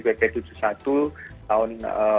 pp tujuh puluh satu tahun